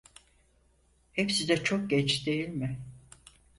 Hepsi de çok genç değil mi?